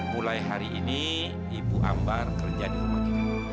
mulai hari ini ibu ambar kerja di rumah kita